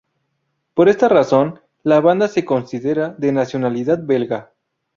Por esta razón, la banda se considera de nacionalidad belga.